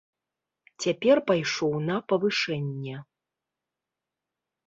Цяпер пайшоў на павышэнне.